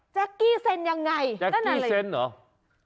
กี้เซ็นยังไงแจ๊กกี้เซ็นเหรอ